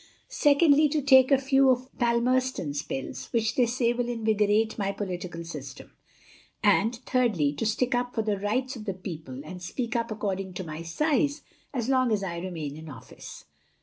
Secondly, to take a few of Palmerston's pills, which they say will invigorate my Political system. And, Thirdly, to stick up for the Rights of the People, and speak up according to my size, as long as I remain in office.